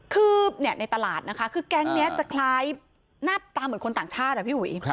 คือในตลาดคือกแก๊งนี้จะนาบตาเหมือนคนต่างชาติอ่ะพี่บุ๋ย